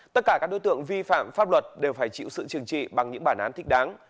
tất cả các đối tượng vi phạm pháp luật đều phải chịu sự trừng trị bằng những bản án thích đáng